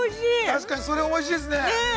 ◆確かにそれはおいしいですね。